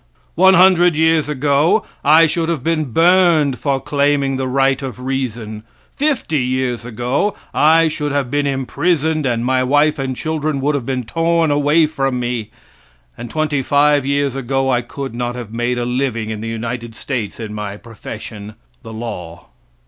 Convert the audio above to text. One hundred years ago I should have been burned for claiming the right of reason; fifty years ago I should have been imprisoned and my wife and children would have been torn away from me, and twenty five years ago I could not have made a living in the United States in my profession the law.